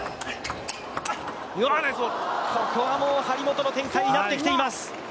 ここは張本の展開になってきています。